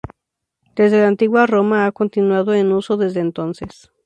Desde la antigua Roma, ha continuado en uso desde entonces.